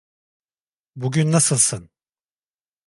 Bugün nasılsın?